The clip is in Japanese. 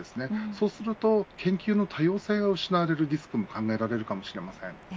そうすると研究の多様性が失われるリスクも考えられるかもしれません。